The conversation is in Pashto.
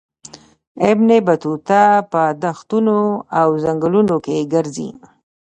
ابن بطوطه په دښتونو او ځنګلونو کې ګرځي.